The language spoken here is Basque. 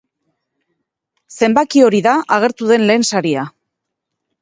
Zenbaki hori da agertu den lehen saria.